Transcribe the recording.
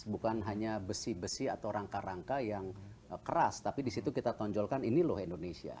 bukan hanya besi besi atau rangka rangka yang keras tapi disitu kita tonjolkan ini loh indonesia